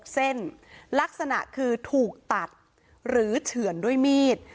เส้นลักษณะคือถูกตัดหรือเฉื่อนด้วยมีด